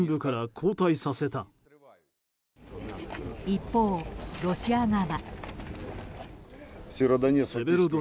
一方、ロシア側。